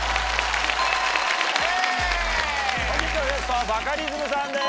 本日のゲストはバカリズムさんです！